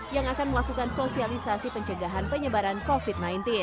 yang akan melakukan sosialisasi pencegahan penyebaran covid sembilan belas